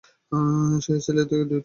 সেই ছেলে দুটোকে কেউ চেনে?